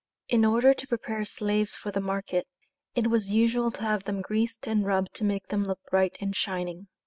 In order to prepare slaves for the market, it was usual to have them greased and rubbed to make them look bright and shining.